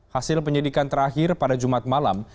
hasil penyidikan terakhir pada jumat malam